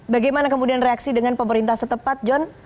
bagaimana kemudian reaksi dengan pemerintah setempat john